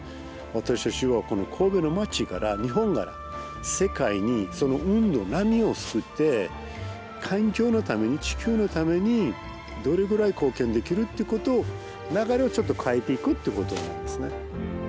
私たちはこの神戸の町から日本から世界にその何をして環境のために地球のためにどれぐらい貢献できるってことを流れをちょっと変えていくってことなんですね。